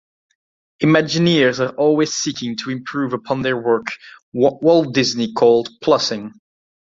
Imagineers are always seeking to improve upon their work--what Walt Disney called "plussing".